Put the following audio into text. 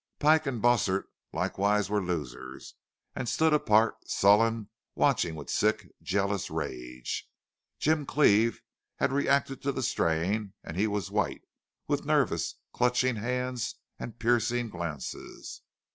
Pike and Bossert likewise were losers, and stood apart, sullen, watching with sick, jealous rage. Jim Cleve had reacted to the strain, and he was white, with nervous, clutching hands and piercing glances.